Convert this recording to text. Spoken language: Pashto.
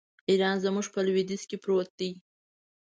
ایران زموږ په لوېدیځ کې پروت دی.